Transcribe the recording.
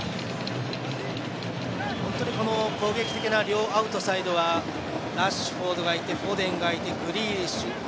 本当に攻撃的な両アウトサイドはラッシュフォードがいてフォデンがいてグリーリッシュ